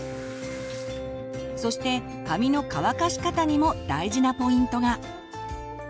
そして髪の乾かし方にも大事なポイントが。